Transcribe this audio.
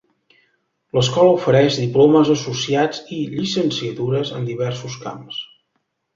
L'escola ofereix diplomes associats i llicenciatures en diversos camps.